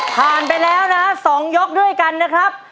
ผ่านไปแล้วนะน่ะสองยกด้วยกันน่ะครับ